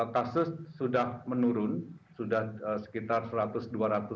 kasus sudah berubah menjadi hal yang sangat penting untuk kita